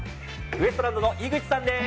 ウエストランドの井口さんです。